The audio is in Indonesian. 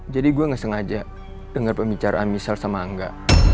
jadi gua ga sengaja denger pembicaraan michelle sama angga